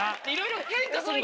いろいろ。